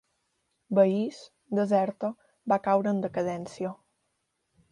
Veïs, deserta, va caure en decadència.